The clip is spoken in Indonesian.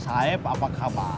saheb apa kabarnya ya